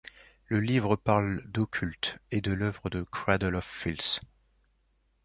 Le livre parle d'occulte et de l'œuvre de Cradle of Filth.